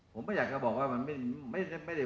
ผมก็อยากจะบอกว่ามันไม่ได้